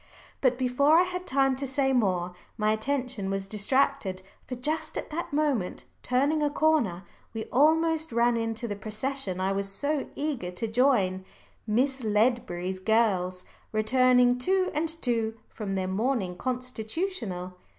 But before I had time to say more, my attention was distracted. For just at that moment, turning a corner, we almost ran into the procession I was so eager to join Miss Ledbury's girls, returning two and two from their morning constitutional.